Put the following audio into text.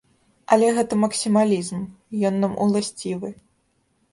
Але гэта максімалізм, ён нам уласцівы.